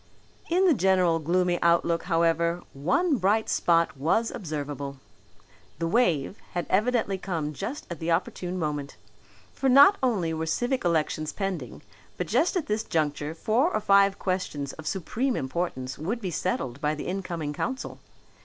In the general gloomy outlook, however, one bright spot was observable. The "wave" had evidently come just at the opportune moment. For not only were civic elections pending but just at this juncture four or five questions of supreme importance would be settled by the incoming council.